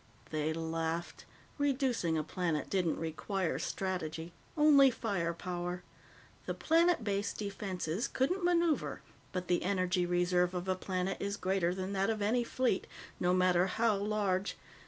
They laughed. Reducing a planet didn't require strategy only fire power. The planet based defenses couldn't maneuver, but the energy reserve of a planet is greater than that of any fleet, no matter how large.